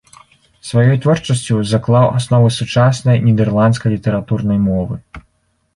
Сваёй творчасцю заклаў асновы сучаснай нідэрландскай літаратурнай мовы.